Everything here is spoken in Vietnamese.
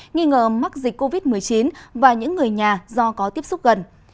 nghi ngờ mắc dịch covid một mươi chín và những người nhà do có tiếp xúc gần